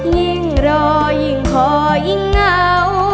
ยิ่งรอยิ่งขอยิ่งเหงา